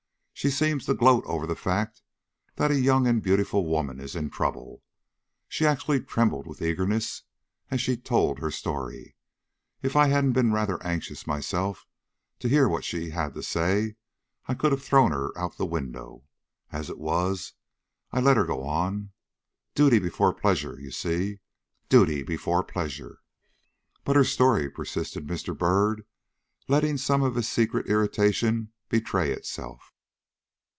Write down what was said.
"She seems to gloat over the fact that a young and beautiful woman is in trouble. She actually trembled with eagerness as she told her story. If I hadn't been rather anxious myself to hear what she had to say, I could have thrown her out of the window. As it was, I let her go on; duty before pleasure, you see duty before pleasure." "But her story," persisted Mr. Byrd, letting some of his secret irritation betray itself.